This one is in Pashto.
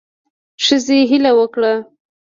ښځې هیله وکړه